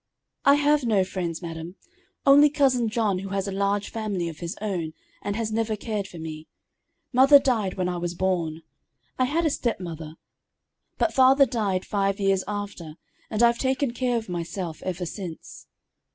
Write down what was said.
"I have no friends, madam, only cousin John who has a large family of his own, and has never cared for me. Mother died when I was born. I had a step mother, but father died five years after, and I've taken care of myself ever since."